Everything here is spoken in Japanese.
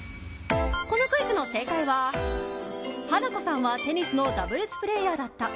このクイズの正解はハナコさんは、テニスのダブルスプレーヤーだった。